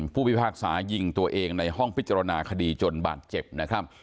พิพากษายิงตัวเองในห้องพิจารณาคดีจนบาดเจ็บนะครับ